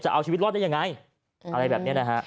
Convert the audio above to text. เอาชีวิตรอดได้ยังไงอะไรแบบนี้นะฮะ